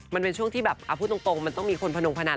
มันเป็นช่วงที่แบบเอาพูดตรงมันต้องมีคนพนมพนัน